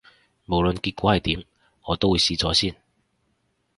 無論結果係點，我都會試咗先